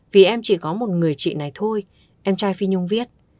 vì em chỉ có một người chị này thôi em trai phi nhung viết